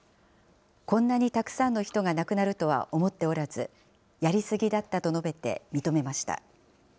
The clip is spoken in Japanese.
こんなにたくさんの人が亡くなるとは思っておらず、やり過ぎだったと述べて、認めました。